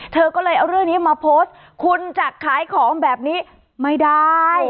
เธอก็เลยเอาเรื่องนี้มาโพสต์คุณจะขายของแบบนี้ไม่ได้